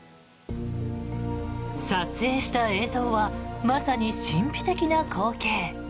撮影した映像はまさに神秘的な光景。